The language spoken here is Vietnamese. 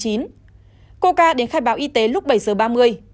coca đến khai báo y tế lúc bảy h ba mươi